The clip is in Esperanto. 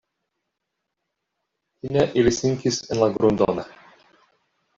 Fine ili sinkis en la grundon.